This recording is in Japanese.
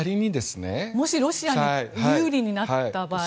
もしロシアに有利になった場合。